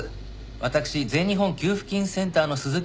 私全日本給付金センターの鈴木と申しますが。